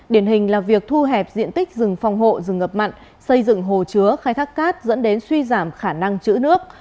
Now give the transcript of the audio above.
điển hình là việc thu hẹp diện tích rừng phòng hộ rừng ngập mặn xây dựng hồ chứa khai thác cát dẫn đến suy giảm khả năng chữ nước